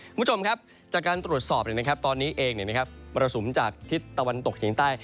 คุณผู้ชมครับจากการตรวจสอบตอนนี้เองมรสุมจากทิศตะวันตกเฉียงใต้